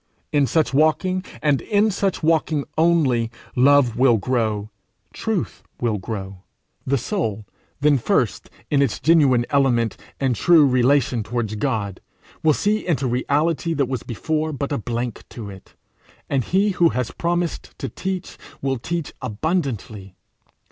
In such walking, and in such walking only, love will grow, truth will grow; the soul, then first in its genuine element and true relation towards God, will see into reality that was before but a blank to it; and he who has promised to teach, will teach abundantly.